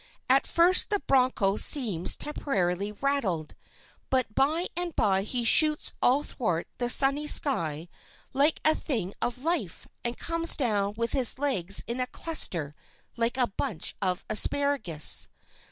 At first the broncho seems temporarily rattled, but by and by he shoots athwart the sunny sky like a thing of life and comes down with his legs in a cluster like a bunch of asparagus.